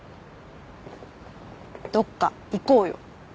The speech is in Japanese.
どっか行こうよ。